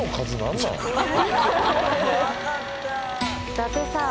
伊達さん。